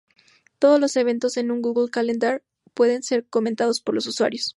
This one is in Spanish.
Todos los eventos en un Google Calendar pueden ser comentados por los usuarios.